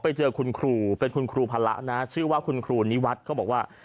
ไปเจอคุณครูเป็นคุณครูภาระนะชื่อว่าคุณครูนิวัฒน์ก็บอกว่า